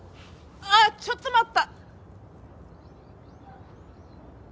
あっちょっと待った！